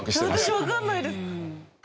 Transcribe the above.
私わかんないです。